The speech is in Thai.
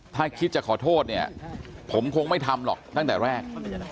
ถ้าคิดจะขอโทษเนี่ยผมคงไม่ทำหรอกตั้งแต่แรก